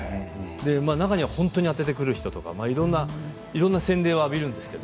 中には本当に当ててくる人とかいろいろな洗礼を浴びるんです。